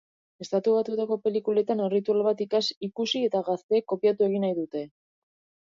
Estatu Batuetako pelikuletan erritual bat ikusi eta gazteek kopiatu egin nahi dute.